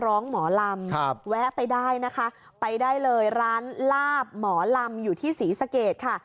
ร้องหมอลำแวะไปได้นะคะไปได้เลยร้านลาบหมอลำอยู่ที่ศรีสะเกดค่ะ